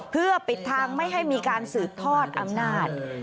เพื่อปิดทางไม่ให้มีการสืบทอดอำนาจ